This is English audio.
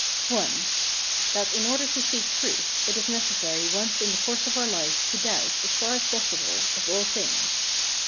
I. THAT in order to seek truth, it is necessary once in the course of our life, to doubt, as far as possible, of all things.